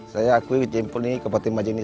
saya akui jempol ini kepala timbajeng ini